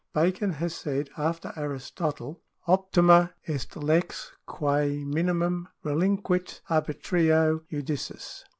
Bacon has said, after Aristotle :^ Optima est lex quae minimum relinquit arbitrio judicis.